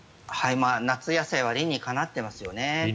夏野菜は理にかなってますよね。